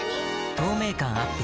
透明感アップ